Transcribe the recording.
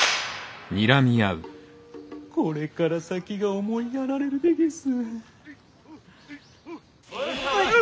これから先が思いやられるでげす。